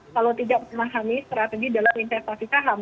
kalau tidak memahami strategi dalam investasi saham